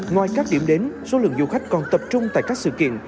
ngoài các điểm đến số lượng du khách còn tập trung tại các sự kiện